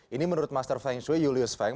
ini menurut master feng shui julius feng